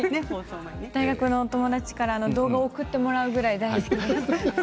大学の友達から動画を送ってもらうぐらい大好きです。